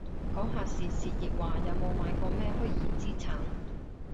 講下時事熱話，有冇買過咩虛擬資產